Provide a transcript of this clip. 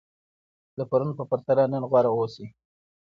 د پرون په پرتله نن غوره اوسئ.